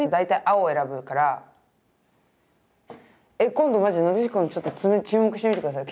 今度マジでなでしこの爪注目してみて下さい。